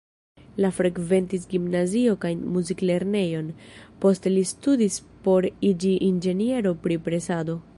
Li frekventis gimnazion kaj muziklernejon, poste li studis por iĝi inĝeniero pri presado.